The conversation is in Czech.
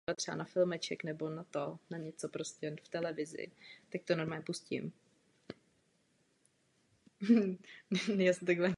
O rok později habilitoval v Bonnu.